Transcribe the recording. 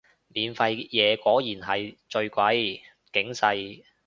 免費嘢果然係最貴，警世